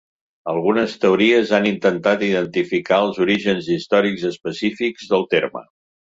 Algunes teories han intentat identificar els orígens històrics específics del terme.